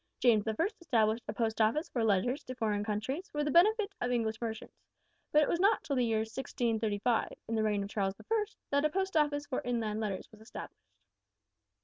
James the First established a Post Office for letters to foreign countries, for the benefit of English merchants, but it was not till the year 1635 in the reign of Charles the First that a Post Office for inland letters was established.